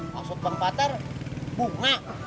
maksud bang patar bunga